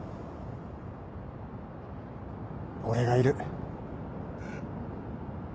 俺がいる。